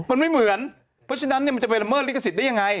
มันไม่เหมือนเพราะฉะนั้นมันจะไปละเมิดลิขสิทธิ์ได้ยังไง